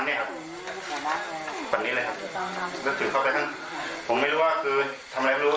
แล้วถือเข้าไปข้างนี้ผมไม่รู้ว่าคือทำอะไรไม่รู้